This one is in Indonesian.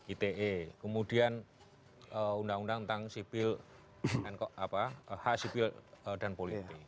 ite kemudian undang undang tentang sibil h sibil dan politik